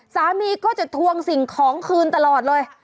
สามีก็จะทวงสิ่งของคืนตลอดเลย